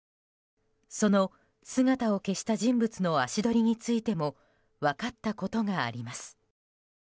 その、姿を消した人物の足取りについても分かったことがあります。